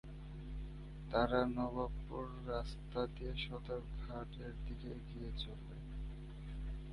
তারা নবাবপুর রাস্তা দিয়ে সদর ঘাট-এর দিকে এগিয়ে চলে।